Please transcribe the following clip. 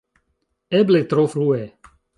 Eble tro frue!